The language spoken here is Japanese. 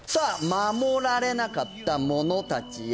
「護られなかった者たちへ」